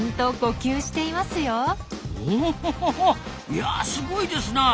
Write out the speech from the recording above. いやあすごいですな。